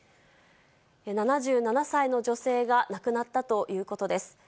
７７歳の女性が亡くなったということです。